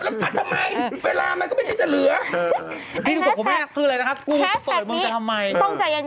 เราทำอะไรผิดแล้วเราขอโทษคนก็ให้อภัยเรา